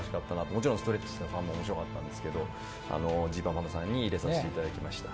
もちろんストレッチーズさんも面白かったですがＧパンパンダさんに入れさせていただきました。